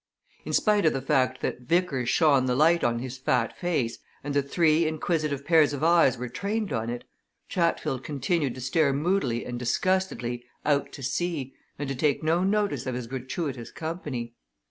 In spite of the fact that Vickers shone the light on his fat face, and that three inquisitive pairs of eyes were trained on it, Chatfield continued to stare moodily and disgustedly out to sea and to take no notice of his gratuitous company.